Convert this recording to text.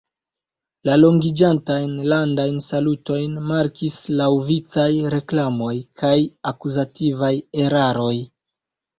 La longiĝantajn landajn salutojn markis laŭvicaj reklamoj kaj akuzativaj eraroj.